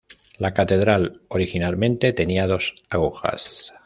La catedral originalmente tenía dos agujas.